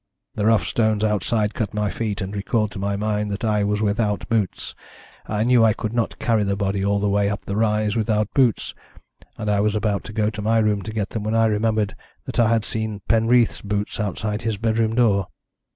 The rough stones outside cut my feet, and recalled to my mind that I was without boots. I knew I could not carry the body all the way up the rise without boots, and I was about to go to my room to get them when I remembered that I had seen Penreath's boots outside his bedroom door.